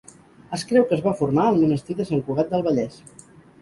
Es creu que es va formar al Monestir de Sant Cugat del Vallès.